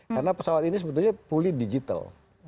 karena pesawat ini sebetulnya fully digital